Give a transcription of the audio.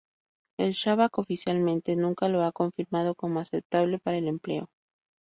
El Shabak, oficialmente, nunca lo ha confirmado como aceptable para el empleo.